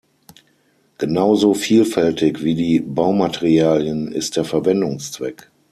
Genauso vielfältig wie die Baumaterialien ist der Verwendungszweck.